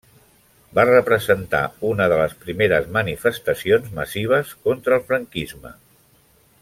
Va representar una de les primeres manifestacions massives contra el franquisme.